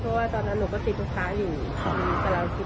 เพราะว่าตอนนั้นหนูก็ติดลูกค้าอยู่แต่เราติดต่างอยู่